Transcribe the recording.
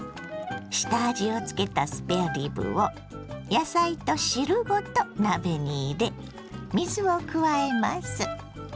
下味をつけたスペアリブを野菜と汁ごと鍋に入れ水を加えます。